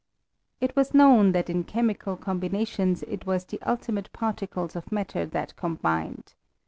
It was known, tbat in chemical | combinations it was the ultimate particles of matter that combined.